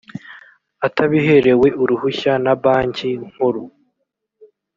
atabiherewe uruhushya na banki nkuru